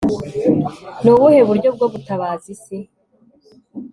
Ni ubuhe buryo bwo gutabaza isi